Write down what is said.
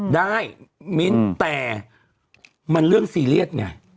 มิ้นแต่มันเรื่องซีเรียสไง